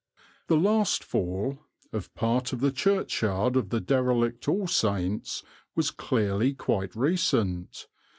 The last fall of part of the churchyard of the derelict All Saint's was clearly quite recent.